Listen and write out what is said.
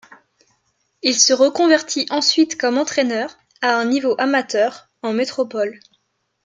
Il se reconvertit ensuite comme entraîneur, à un niveau amateur, en métropole.